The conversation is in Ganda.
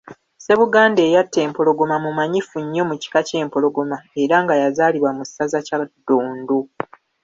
Ssebuganda eyatta empologoma mumanyifu nnyo mu kika ky’Empologoma era nga yazaalibwa mu ssaza Kyaddondo.